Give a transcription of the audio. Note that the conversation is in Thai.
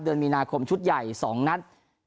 เดือนมีนาคมชุดใหญ่๒นัด